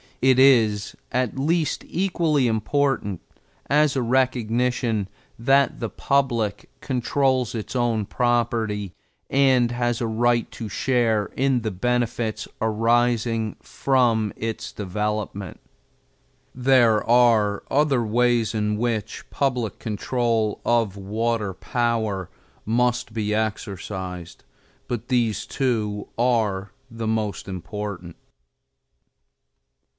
It is at least equally important as a recognition that the public controls its own property and has a right to share in the benefits arising from its development. There are other ways in which public control of water power must be exercised, but these two are the most important.